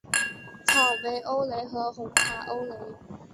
草莓欧蕾和红茶欧蕾